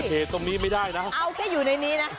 เหตุตรงนี้ไม่ได้นะเอาแค่อยู่ในนี้นะ